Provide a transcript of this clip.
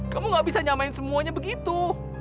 kamu gak bisa nyamain semuanya begitu